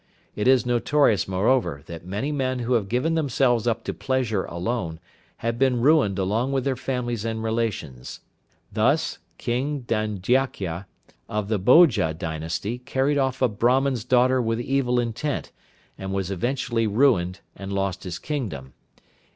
It is notorious, moreover, that many men who have given themselves up to pleasure alone, have been ruined along with their families and relations. Thus, King Dandakya, of the Bhoja dynasty, carried off a Brahman's daughter with evil intent, and was eventually ruined and lost his kingdom.